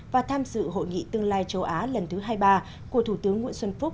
và tham dự hội nghị tương lai châu á lần thứ hai mươi ba của thủ tướng nguyễn xuân phúc